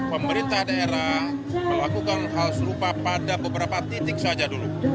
pemerintah daerah melakukan hal serupa pada beberapa titik saja dulu